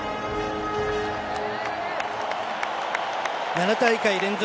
７大会連続